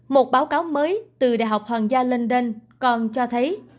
một báo cáo mới từ đại học hoàng gia london còn cho thấy